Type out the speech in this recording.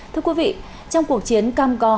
thưa quý vị trong cuộc chiến cam co